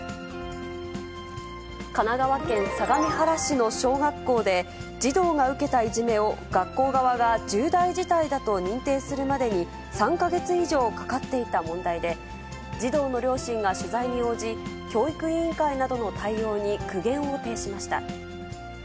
神奈川県相模原市の小学校で、児童が受けたいじめを学校側が重大事態だと認定するまでに、３か月以上かかっていた問題で、児童の両親が取材に応じ、教育委員会などの対応に苦言を呈しました。